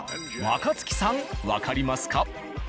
若槻さんわかりますか？